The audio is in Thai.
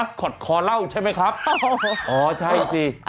อ๋อคอเหล้าอ๋อนี่คอเหล้าใช่ไหมครับอ๋ออ๋อใช่สิเอ่อ